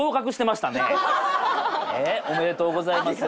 おめでとうございます。